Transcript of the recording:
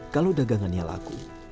kalau dagangannya laku